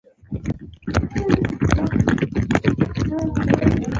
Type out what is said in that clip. د افغانستان ملي مرغه عقاب دی